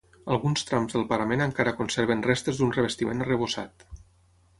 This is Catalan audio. Alguns trams del parament encara conserven restes d'un revestiment arrebossat.